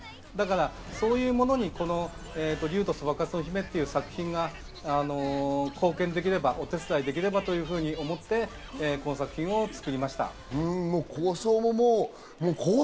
そういうものに『竜とそばかすの姫』という作品が貢献できればお手伝いできればというふうに思って、この作品を作りました。